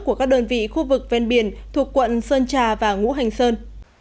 của các đơn vị khu vực ven biển thuộc quận sơn trà và ngũ hành sơn